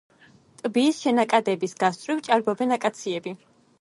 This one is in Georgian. ტბის შენაკადების გასწვრივ ჭარბობენ აკაციები.